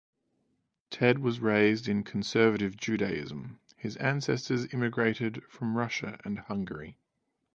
Ted was raised in Conservative Judaism; his ancestors immigrated from Russia and Hungary.